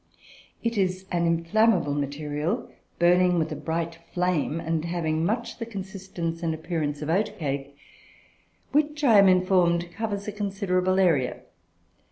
It is an inflammable material, burning with a bright flame and having much the consistence and appearance of oat cake, which, I am informed covers a considerable area.